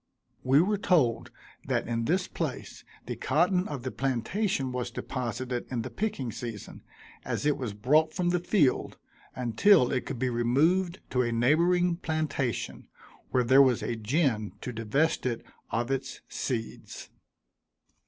We were told that in this place the cotton of the plantation was deposited in the picking season, as it was brought from the field, until it could be removed to a neighboring plantation, where there was a gin to divest it of its seeds.